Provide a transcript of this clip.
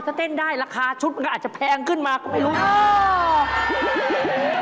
ถ้าเต้นได้ราคาชุดมันก็อาจจะแพงขึ้นมาก็ไม่รู้